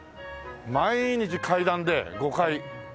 毎日階段で５階。